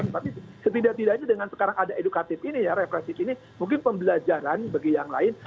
tapi setidak tidaknya dengan sekarang ada edukatif ini ya represif ini mungkin pembelajaran bagi yang lain